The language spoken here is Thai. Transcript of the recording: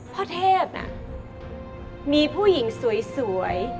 พ่อเทพน่ะมีผู้หญิงสวย